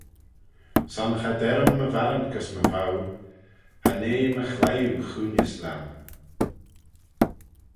Son cha der-ym my varrant gys my vhow: cha nee my chliwe chooinys lhiam.